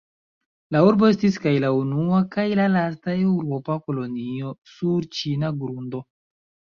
La urbo estis kaj la unua kaj la lasta eŭropa kolonio sur ĉina grundo.